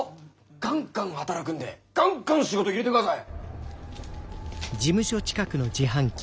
ガンガン働くんでガンガン仕事入れてください！